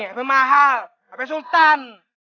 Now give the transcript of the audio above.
hp mahal hp sultan